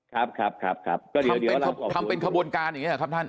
ครับครับทำเป็นขบวนการอย่างนี้หรอครับท่าน